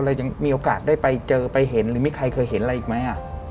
ยังมีโอกาสได้ไปเจอไปเห็นหรือมีใครเคยเห็นอะไรอีกไหม